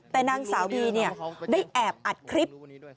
แต่นางสาวบีได้แอบอัดคลิป